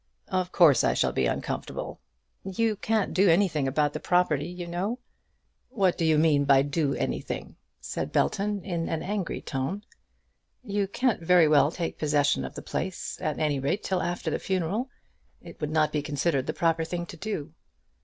"Of course I shall be uncomfortable." "You can't do anything about the property, you know." "What do you mean by doing anything?" said Belton, in an angry tone. "You can't very well take possession of the place, at any rate, till after the funeral. It would not be considered the proper thing to do."